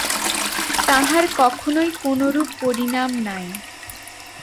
তাঁহার কখনই কোনরূপ পরিণাম নাই।